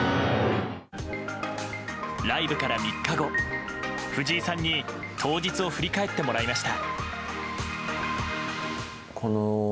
ライブから３日後藤井さんに当日を振り返ってもらいました。